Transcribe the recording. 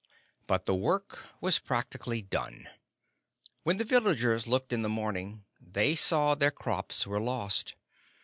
But the work was practically done. When the villagers looked in the morning they saw their crops were lost.